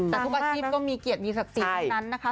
แต่ทุกอาชีพก็มีเกียรติมีศักดิ์ศรีทั้งนั้นนะคะ